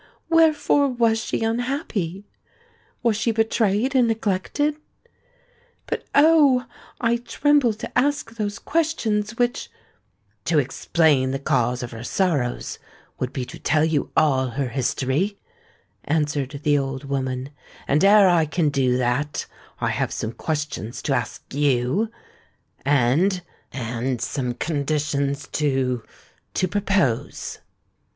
Wherefore was she unhappy? Was she betrayed and neglected? But, oh! I tremble to ask those questions, which—" "To explain the cause of her sorrows would be to tell you all her history," answered the old woman; "and, ere I can do that, I have some questions to ask you, and—and some conditions to—to propose."